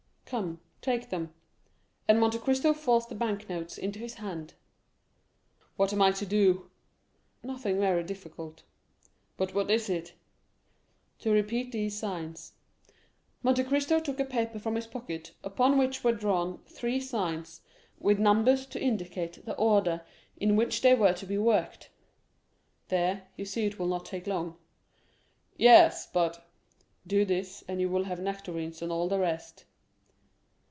"Come, take them," and Monte Cristo forced the bank notes into his hand. "What am I to do?" "Nothing very difficult." "But what is it?" "To repeat these signs." Monte Cristo took a paper from his pocket, upon which were drawn three signs, with numbers to indicate the order in which they were to be worked. "There, you see it will not take long." "Yes; but——" "Do this, and you will have nectarines and all the rest."